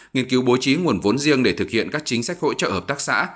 nghiên cứu bố trí nguồn vốn riêng để thực hiện các chính sách hỗ trợ hợp tác xã